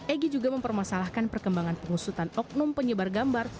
egy juga mempermasalahkan perkembangan pengusutan oknum penyebar gambar